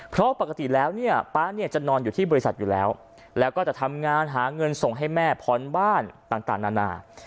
เพราะปกติแล้วเนี่ยป๊าเนี่ยจะนอนอยู่ที่บริษัทอยู่แล้วแล้วก็จะทำงานหาเงินส่งให้แม่ผ่อนบ้านต่างนานา